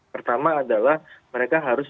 pertama adalah mereka harus